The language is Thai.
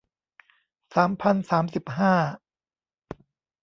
สามพันสามสิบห้า